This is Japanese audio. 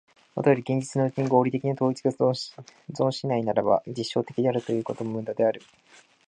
もとより現実のうちに合理的な統一が存しないならば、実証的であるということも無駄である。